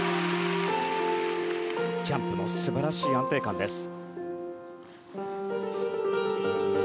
ジャンプも素晴らしい安定感です。